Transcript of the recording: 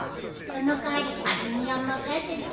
その代わり味見は任せて。